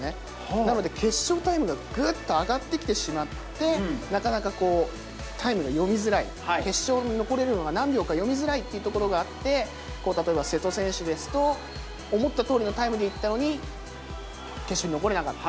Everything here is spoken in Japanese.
なので、決勝タイムがぐっと上がってきてしまって、なかなか、タイムが読みづらい、決勝に残れるのが何秒か、読みづらいというところがあって、例えば瀬戸選手ですと、思ったとおりのタイムでいったのに、決勝に残れなかった。